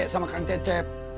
sama kang cecep